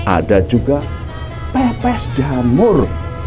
ada juga pepes jamur